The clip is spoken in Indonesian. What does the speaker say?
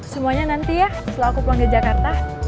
semuanya nanti ya setelah aku pulang ke jakarta